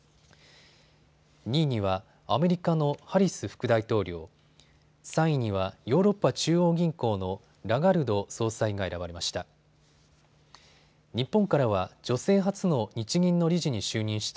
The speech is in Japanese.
２位にはアメリカのハリス副大統領、３位にはヨーロッパ中央銀行のラガルド総裁が選ばれました。